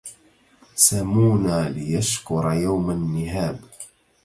سمونا ليشكر يوم النهاب